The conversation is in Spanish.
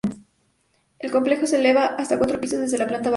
El complejo se eleva hasta cuatro pisos desde la planta baja.